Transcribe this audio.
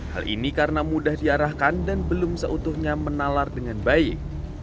hal ini karena mudah diarahkan dan belum seutuhnya menalar dengan baik